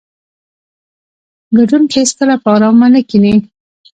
ګټونکي هیڅکله په ارامه نه کیني.